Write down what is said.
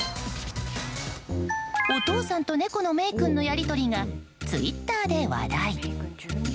お父さんと猫のメイ君のやり取りがツイッターで話題。